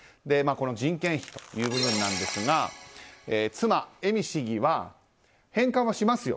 人件費という部分ですが妻・恵美市議は、返還はしますよ。